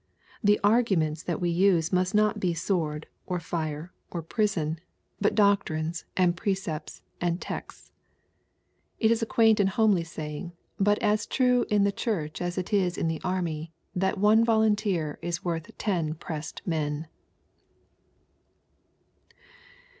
The arguments that we use must not be sword, or fire, or prison, but doe 336 EZPOBITOBY THOUGHTS. tiines, and precepts^ and texts. It is a quaint and homely saying, but as true in the Church as it is in the army, that " one volunteer is worth ten pressed men."